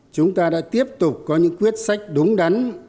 chúng ta đã tiếp tục có những quyết sách đúng đắn